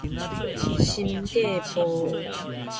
審計部